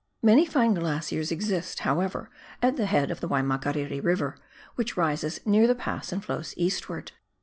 Many fine glaciers exist, however, at the head of the Waimakariri E,iver, which rises near the pass and flows eastwards.